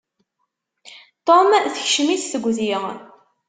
Tom tekcem-it tegdi.